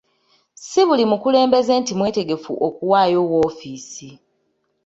Si buli mukulembeze nti mwetegefu okuwaayo woofiisi.